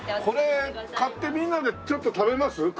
これ買ってみんなでちょっと食べます？